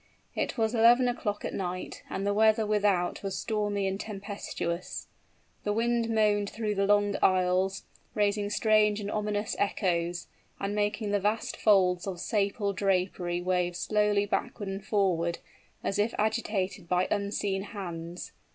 It was eleven o'clock at night: and the weather without was stormy and tempestuous. The wind moaned through the long aisles, raising strange and ominous echoes, and making the vast folds of sable drapery wave slowly backward and forward, as if agitated by unseen hands.